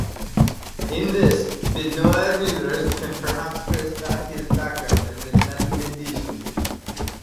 In this, Binoy readers can perhaps trace back his background as a Mathematician.